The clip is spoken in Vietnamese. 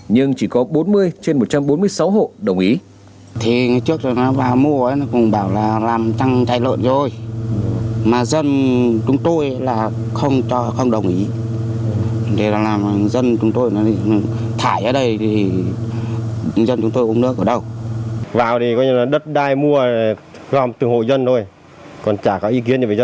nhưng chỉ có bốn mươi trên một trăm bốn mươi sáu hộ đồng ý